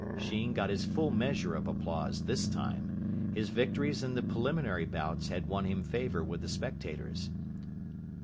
Sheen got his full measure of applause this time. His victories in the preliminary bouts had won him favour with the spectators.